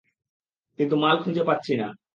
কিন্তু মাল খুঁজে পাচ্ছি না।